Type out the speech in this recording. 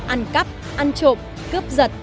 ăn cắp ăn trộm cướp giật